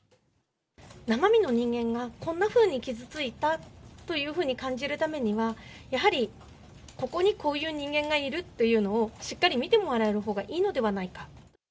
生身の人間がこんなふうに傷ついたというふうに感じるためには、やはり、ここにこういう人間がいるというのを、しっかり見てもらえるほうがいいのではないか。